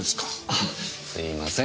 あすいません